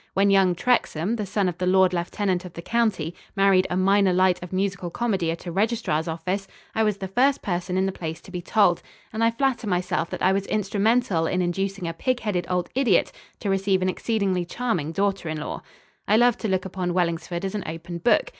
When young Trexham, the son of the Lord Lieutenant of the county, married a minor light of musical comedy at a registrar's office, I was the first person in the place to be told; and I flatter myself that I was instrumental in inducing a pig headed old idiot to receive an exceedingly charming daughter in law. I loved to look upon Wellingsford as an open book.